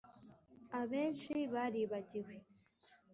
abenshi baribagiwe